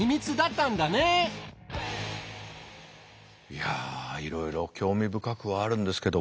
いやいろいろ興味深くはあるんですけども。